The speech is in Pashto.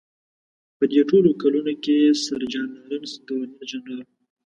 په دې ټولو کلونو کې سر جان لارنس ګورنر جنرال و.